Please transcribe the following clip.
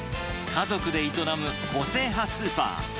家族で営む個性派スーパー。